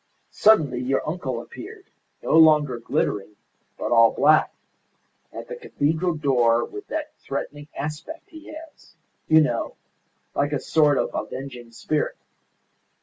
Suddenly your uncle appeared, no longer glittering, but all black, at the cathedral door with that threatening aspect he has you know, like a sort of avenging spirit.